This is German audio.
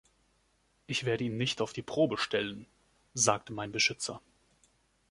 „Ich werde ihn nicht auf die Probe stellen“, sagte mein Beschützer.